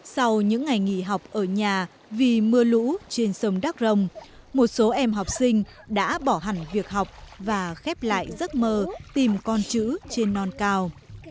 sau những ngày nghỉ học ở nhà vì mưa lũ trên sông đắk rồng một số em học sinh đã bỏ hẳn việc học và khép lại giấc mơ tìm con chữ trên non cao